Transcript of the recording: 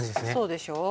そうでしょう。